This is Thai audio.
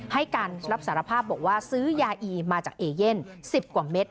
ให้การรับสารภาพบอกว่าซื้อยาอีมาจากเอเย่น๑๐กว่าเม็ด